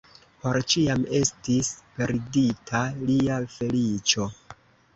Por ĉiam estis perdita lia feliĉo.